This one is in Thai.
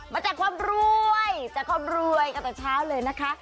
แจกความรวยจากความรวยกันแต่เช้าเลยนะคะ